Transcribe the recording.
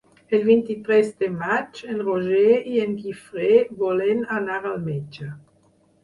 El vint-i-tres de maig en Roger i en Guifré volen anar al metge.